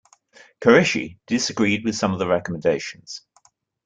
Qureshi disagreed with some of the recommendations.